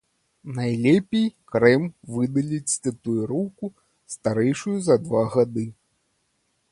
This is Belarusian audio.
Найлепей крэм выдаліць татуіроўку, старэйшую за два гады.